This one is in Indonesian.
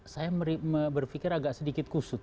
saya berpikir agak sedikit kusut